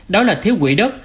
đó là thiếu quỹ đất